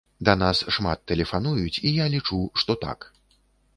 Да нас шмат тэлефануюць, і я лічу, што так.